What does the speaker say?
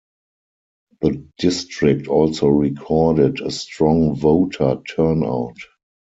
The district also recorded a strong voter turnout.